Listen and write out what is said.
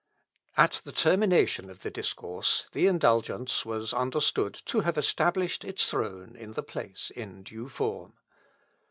At the termination of the discourse, the indulgence was understood "to have established its throne in the place in due form."